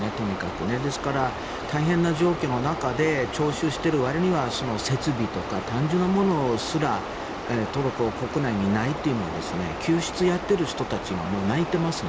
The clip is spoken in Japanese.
ですから大変な状況の中で徴収しているわりには設備とか単純なものすらトルコ国内にないというのは救出やっている人たちが泣いていますね。